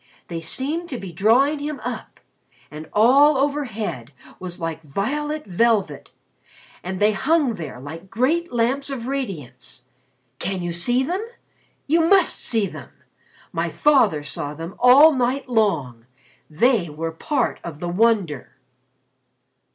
They seemed to be drawing him up. And all overhead was like violet velvet, and they hung there like great lamps of radiance. Can you see them? You must see them. My father saw them all night long. They were part of the wonder."